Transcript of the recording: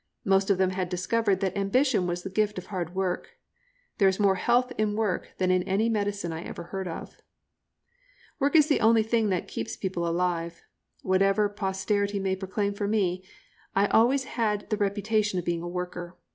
Most of them had discovered that ambition was the gift of hard work. There is more health in work than in any medicine I ever heard of. Work is the only thing that keeps people alive. Whatever posterity may proclaim for me, I always had the reputation of being a worker.